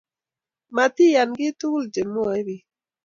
Matiyaan kiiy tugul chemwoee biik